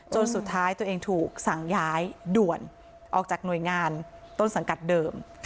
สุดท้ายตัวเองถูกสั่งย้ายด่วนออกจากหน่วยงานต้นสังกัดเดิม